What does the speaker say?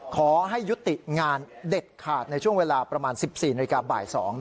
ขอให้ยุติงานเด็ดขาดในช่วงเวลาประมาณ๑๔นาฬิกาบ่าย๒